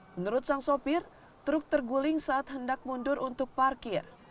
menurut sang sopir truk terguling saat hendak mundur untuk parkir